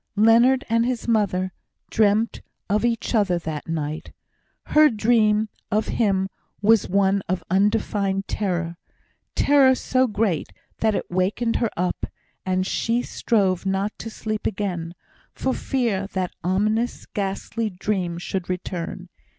Leonard and his mother dreamt of each other that night. Her dream of him was one of undefined terror terror so great that it wakened her up, and she strove not to sleep again, for fear that ominous ghastly dream should return.